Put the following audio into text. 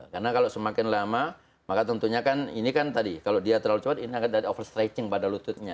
karena kalau semakin lama maka tentunya kan ini kan tadi kalau dia terlalu cepat ini akan over stretching pada lututnya